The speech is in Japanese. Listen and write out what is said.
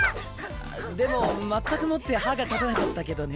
でもまったくもって歯が立たなかったけどね。